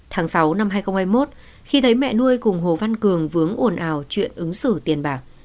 tháng sáu năm hai nghìn hai mươi một khi thấy mẹ nuôi cùng hồ văn cường vướng ồn ào chuyện ứng xử tiền bạc